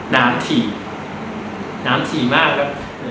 น้ำขี่น้ำขี่มากครับ